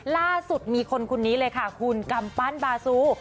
ล่าสุดมีคนคนนี้เลยค่ะคุณกำปั้นบาซู